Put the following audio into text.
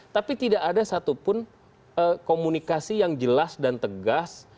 tapi tidak ada satupun komunikasi yang jelas dan tegas